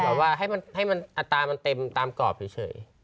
เขาบอกว่าให้มันให้มันอัตรามันเต็มตามกรอบเฉย